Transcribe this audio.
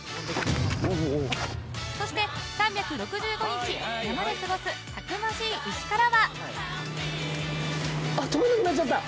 そして３６５日、山で過ごすたくましい牛からは。